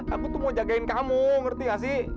aku tuh mau jagain kamu ngerti gak sih